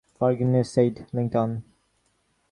‘Forgiveness!’ said Linton.